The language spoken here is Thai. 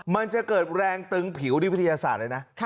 มันจะเกิดแรงตึงผิวที่วิทยาศาสตร์เลยนะ